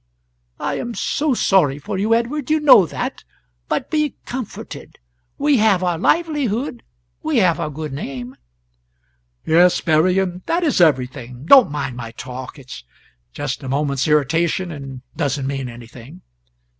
"I am so sorry for you, Edward, you know that; but be comforted; we have our livelihood; we have our good name " "Yes, Mary, and that is everything. Don't mind my talk it's just a moment's irritation and doesn't mean anything.